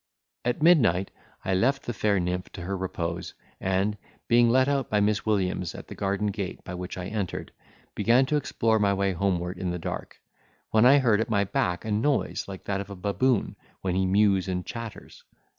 At midnight I left the fair nymph to her repose, and, being let out by Miss Williams at the garden gate by which I entered, began to explore my way homeward in the dark, when I heard at my back a noise like that of a baboon when he mews and chatters.